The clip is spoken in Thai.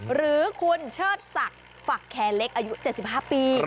หรือคุณเชิดศักดิ์ฝักแคร์เล็กอายุ๗๕ปี